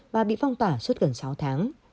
và bị phong tỏa suốt gần sáu tháng